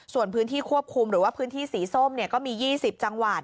ส่วนพื้นที่ควบคุมหรือว่าพื้นที่สีส้มก็มี๒๐จังหวัด